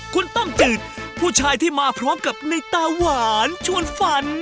คุณต้อมจืดผู้ชายที่มาพร้อมกับในตาหวานชวนฝัน